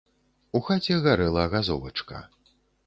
У хаце гарэла газовачка.